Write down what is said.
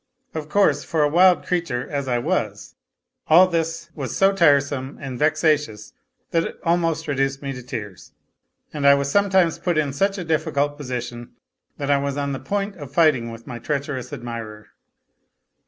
Of course for a wild creature as I was all this was so tiresome and vexatious that it almost reduced me to tears, and I was sometimes put in such a difficult position that I was on the point of fighting with my treacherous admirer.